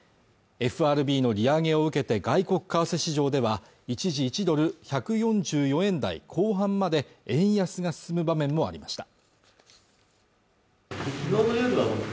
ＦＲＢの利上げを受けて外国為替市場では一時１ドル＝１４４円台後半まで円安が進む場面もありました